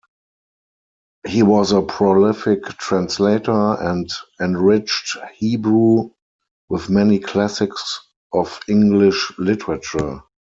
He was a prolific translator and enriched Hebrew with many classics of English literature.